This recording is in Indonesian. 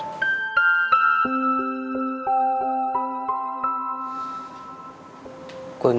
aku mau menikah sama riri mas